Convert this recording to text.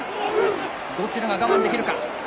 どちらが我慢できるか。